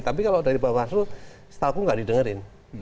tapi kalau dari pak mas luman setelah itu tidak didengarkan